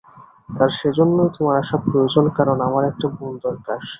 আর সেজন্যই তোমার আসা প্রয়োজন, কারণ আমার একটা বোন দরকার।